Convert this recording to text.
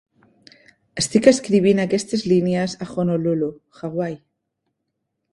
Estic escrivint aquestes línies a Honolulu, Hawaii.